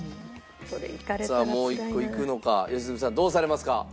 さあもう１個いくのか良純さんどうされますか？